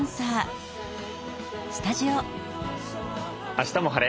「あしたも晴れ！